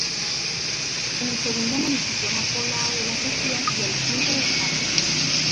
Es el segundo municipio más poblado de la región y el quinto del país.